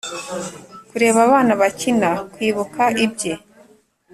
kureba abana bakina, kwibuka ibye.